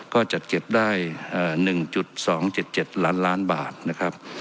ก็จัดเก็บได้เอ่อหนึ่งจุดสองเจ็ดเจ็ดล้านล้านบาทนะครับ